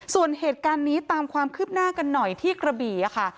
ส่วนเหตุการณ์นี้ตามความคืบหน้ากันหน่อยที่กระบี่ค่ะ